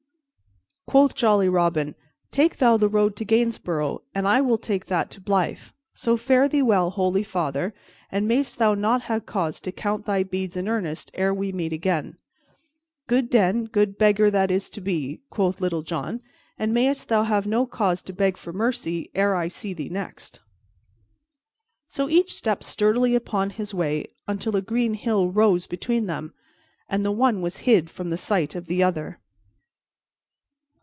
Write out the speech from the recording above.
Quoth jolly Robin, "Take thou the road to Gainsborough, and I will take that to Blyth. So, fare thee well, holy father, and mayst thou not ha' cause to count thy beads in earnest ere we meet again." "Good den, good beggar that is to be," quoth Little John, "and mayst thou have no cause to beg for mercy ere I see thee next." So each stepped sturdily upon his way until a green hill rose between them, and the one was hid from the sight of the other.